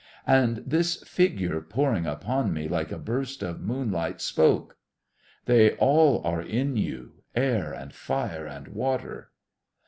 And this "figure," pouring upon me like a burst of moonlight, spoke: "They all are in you air, and fire, and water...."